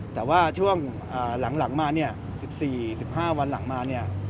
แต่ว่าช่วงหลังมา๑๔๑๕วันหลังมา